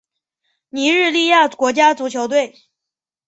尼日利亚国家足球队